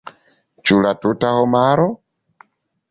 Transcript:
Ĉu la tuta homaro?